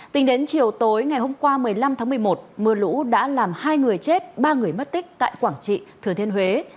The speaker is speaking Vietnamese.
tính đến chiều tối ngày hôm qua một mươi năm tháng một mươi một mưa lũ đã làm hai người chết ba người mất tích tại quảng trị thừa thiên huế